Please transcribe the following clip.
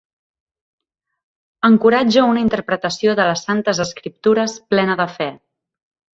Encoratja una "interpretació de les Santes Escriptures plena de fe".